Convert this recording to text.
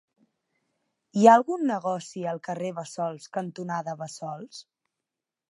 Hi ha algun negoci al carrer Bassols cantonada Bassols?